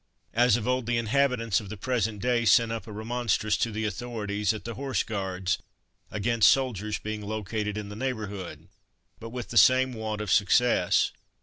As of old, the inhabitants of the present day sent up a remonstrance to the authorities at the Horse Guards, against soldiers being located in the neighbourhood, but with the same want of success.